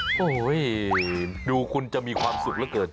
โอ้โหเดี๋ยวคุณจะมีความสุขแล้วเกิด